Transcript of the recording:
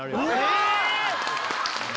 え！